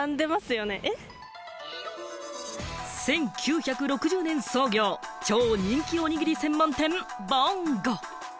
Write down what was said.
１９６０年創業、超人気おにぎり専門店ぼんご。